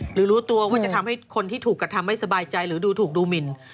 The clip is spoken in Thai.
รู้ตัวว่าจะทำให้คนที่ถูกกระทำไม่สบายใจหรือดูถูกดูหมิน